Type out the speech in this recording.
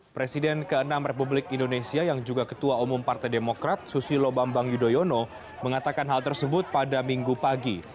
presiden ke enam republik indonesia yang juga ketua umum partai demokrat susilo bambang yudhoyono mengatakan hal tersebut pada minggu pagi